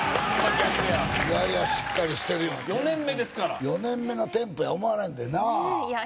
逆やいやいやしっかりしてるよ４年目ですから４年目のテンポや思われんでなあ